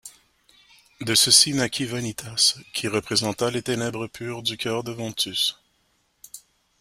De ceci naquit Vanitas qui représenta les ténèbres pures du cœur de Ventus.